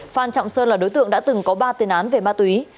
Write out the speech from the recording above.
phan trọng sơn là đối tượng đã từng có ba tiền án về ma túy